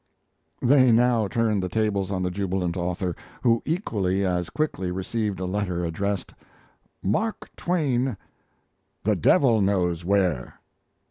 They now turned the tables on the jubilant author, who equally as quickly received a letter addressed: MARK TWAIN THE DEVIL KNOWS WHERE.